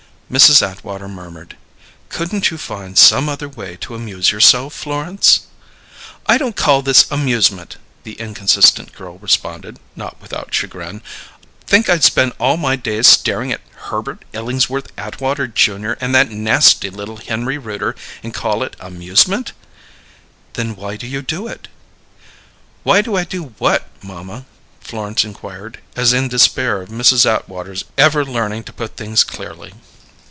Mrs. Atwater murmured, "Couldn't you find some other way to amuse yourself, Florence?" "I don't call this amusement," the inconsistent girl responded, not without chagrin. "Think I'd spend all my days starin' at Herbert Illingsworth Atwater, Junior, and that nasty little Henry Rooter, and call it amusement?" "Then why do you do it?" "Why do I do what, mamma?" Florence inquired, as in despair of Mrs. Atwater's ever learning to put things clearly.